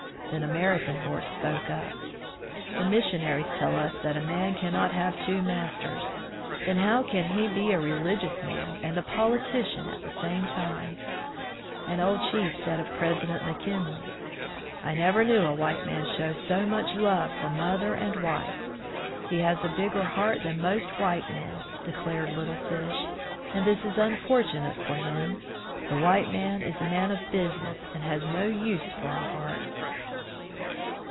Then American Horse spoke up. "The missionaries tell us that a man cannot have two masters ; then how can he be a religious man and a politician at the same time ?" An old chief said of President McKinley: "I never knew a white man show so much love for mother and wife." "He has a bigger heart than most white men," declared Little fish, "and this is unfortunate for him. The white man is a man of business, and has no use for a heart."